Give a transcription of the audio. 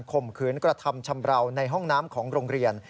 ข่มขืนกระทำชำราวในห้องน้ำของโรงเรียน